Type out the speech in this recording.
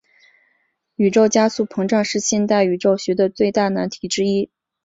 宇宙加速膨胀是现代宇宙学的最大难题之一。